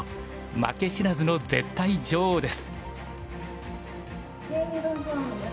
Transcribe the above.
負け知らずの絶対女王です。